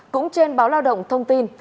cũng trên báo lao động thông tin